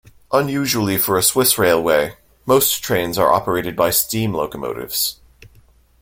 Unusually for a Swiss railway, most trains are operated by steam locomotives.